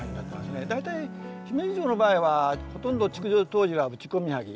大体姫路城の場合はほとんど築城当時は打ち込みはぎ。